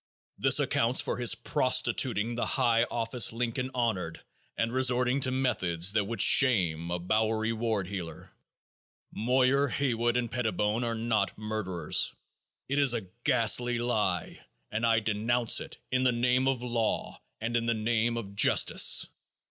This accounts for his prostituting the high office Lincoln honored and resorting to methods that would shame a Bowery ward heeler. Moyer, Haywood and Pettibone are not murderers; it is a ghastly lie, and I denounce it in the name of law and in the name of justice.